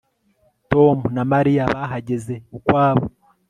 Tom na Mariya bahageze ukwabo